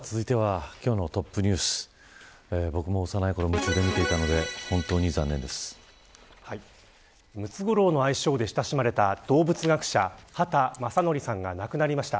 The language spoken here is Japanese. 続いては今日のトップニュース僕も幼いころ見ていたのでムツゴロウの愛称で親しまれた動物学者畑正憲さんが亡くなりました。